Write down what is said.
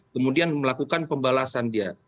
kemudian melakukan pembalasan dia